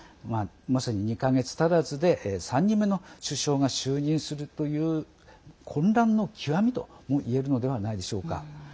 まさに２か月足らずで３人目の首相が就任するという混乱の極みともいえるのではないでしょうか。